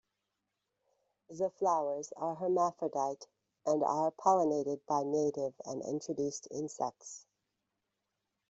The flowers are hermaphrodite, and are pollinated by native and introduced insects.